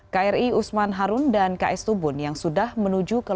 kri usman harun dan ks tubun yang sudah menuju ke